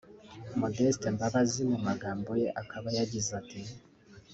Modeste Mbabazi mu magambo ye akaba yagize ati